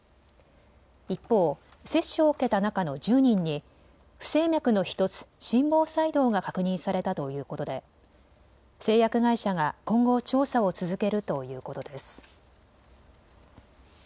一方、接種を受けた中の１０人に不整脈の１つ、心房細動が確認されたということで製薬会社が今後、調査を続けるということです。